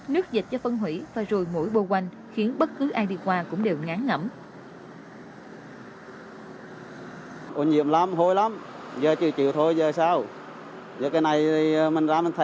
nước dịch do phân hủy và rùi mũi bôi quanh khiến bất cứ ai đi qua cũng đều ngán ngẩm